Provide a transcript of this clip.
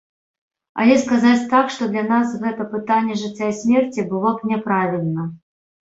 Але сказаць так, што для нас гэта пытанне жыцця і смерці, было б няправільна.